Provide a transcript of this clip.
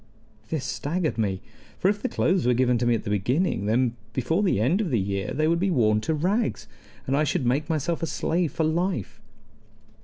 This staggered me; for if the clothes were given to me at the beginning, then before the end of the year they would be worn to rags, and I should make myself a slave for life.